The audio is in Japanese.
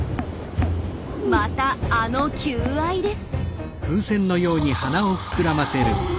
またあの求愛です。